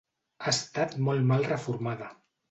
Ha estat molt mal reformada.